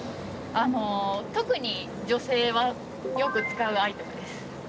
あの特に女性はよく使うアイテムです。